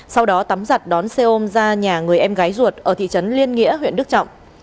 sau đó tắm giặt đón xe ôm ra nhà người em gái ruột ở thị trấn liên nghĩa huyện đức trọng